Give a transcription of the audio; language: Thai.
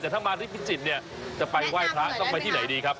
แต่ถ้ามาที่พิจิตรเนี่ยจะไปไหว้พระต้องไปที่ไหนดีครับ